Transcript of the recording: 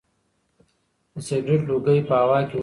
د سګرټ لوګی په هوا کې ورک شو.